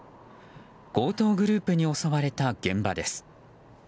強盗グループに襲われた現場です。